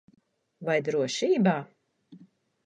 Vai drošībā?